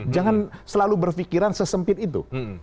jangan selalu berpikiran sesempit itu